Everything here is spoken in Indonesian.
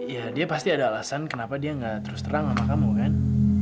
ya dia pasti ada alasan kenapa dia nggak terus terang sama kamu kan